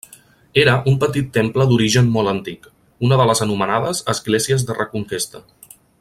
Era un petit temple d'origen molt antic, una de les anomenades esglésies de Reconquesta.